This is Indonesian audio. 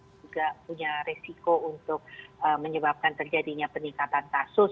juga punya resiko untuk menyebabkan terjadinya peningkatan kasus